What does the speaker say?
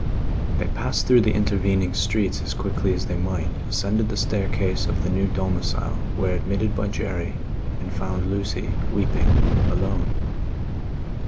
They passed through the intervening streets as quickly as they might, ascended the staircase of the new domicile, were admitted by Jerry, and found Lucie weeping, alone.